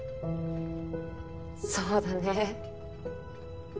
そうだね。